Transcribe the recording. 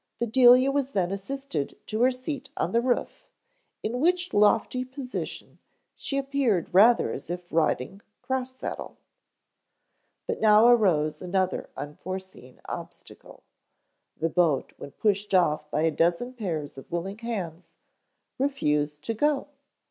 Bedelia was then assisted to her seat on the roof, in which lofty position she appeared rather as if riding cross saddle. But now arose another unforeseen obstacle. The boat, when pushed off by a dozen pairs of willing hands, refused to go.